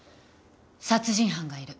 殺人犯がいる。